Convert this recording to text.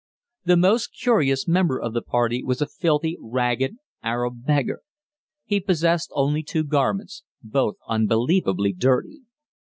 The most curious member of the party was a filthy, ragged Arab beggar. He possessed only two garments, both unbelievably dirty.